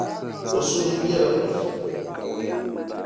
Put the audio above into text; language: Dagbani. O suhu nyɛla buyi.